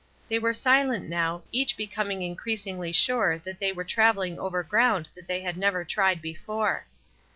They were silent now, each becoming increasingly sure that they were travelling over ground that they had never tried before.